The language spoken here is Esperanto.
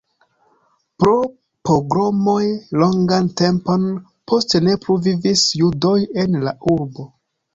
Pro pogromoj longan tempon poste ne plu vivis judoj en la urbo.